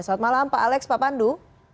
selamat malam pak alex pak pandu